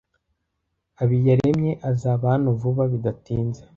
"Habiyaremye azaba hano vuba." "Bidatinze?"